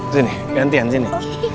sini gantian sini